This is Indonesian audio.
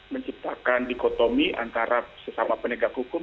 menciptakan dikotomi antara sesama penegak hukum